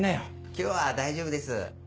今日は大丈夫です。